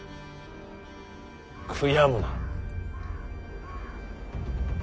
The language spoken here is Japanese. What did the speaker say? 悔やむな。